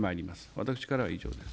私からは以上です。